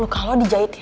luka lo di jahit ya